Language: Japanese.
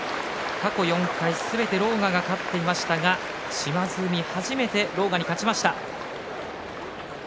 過去４回すべて狼雅が勝っていましたが島津海、初めて狼雅に勝ちました。